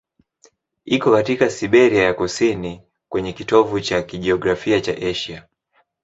Iko katika Siberia ya kusini, kwenye kitovu cha kijiografia cha Asia.